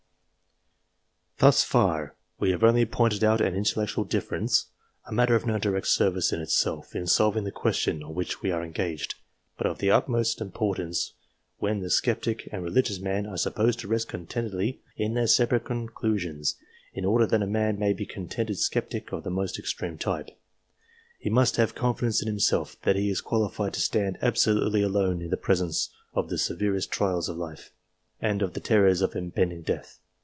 Thus far, we have only pointed out an intellectual difference a matter of no direct service in itself, in solving the question on which we are engaged, but of the utmost importance when the sceptic and religious man are sup posed to rest contentedly in their separate conclusions. In order that a man may be a contented sceptic of the most extreme type, he must have confidence in himself, that he is qualified to stand absolutely alone in the pre sence of the severest trials of life, and of the terrors of impending death.